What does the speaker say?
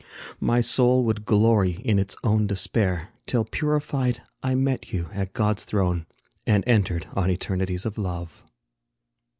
My soul would glory in its own despair, Till purified I met you at God's throne, And entered on Eternities of Love.